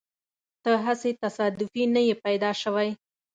ته هسې تصادفي نه يې پیدا شوی.